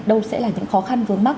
đâu sẽ là những khó khăn vướng mắt